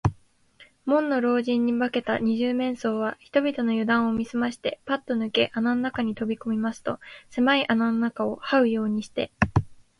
門野老人に化けた二十面相は、人々のゆだんを見すまして、パッとぬけ穴の中にとびこみますと、せまい穴の中をはうようにして、